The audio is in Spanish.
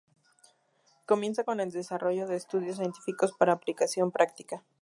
Comienza con el desarrollo de estudios científicos para aplicación práctica.